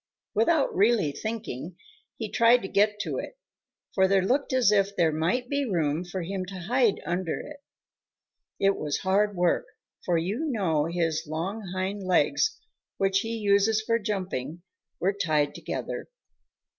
Without really thinking, he tried to get to it, for there looked as if there might be room for him to hide under it. It was hard work, for you know his long hind legs, which he uses for jumping, were tied together.